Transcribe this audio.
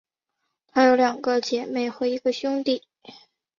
她有两个姐妹和一个兄弟。